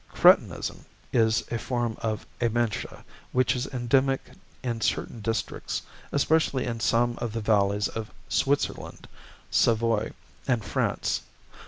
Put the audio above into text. =Cretinism= is a form of amentia, which is endemic in certain districts, especially in some of the valleys of Switzerland, Savoy, and France.